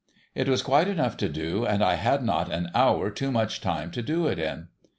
It was quite enough to do, and I had not an hour too much time to do it in.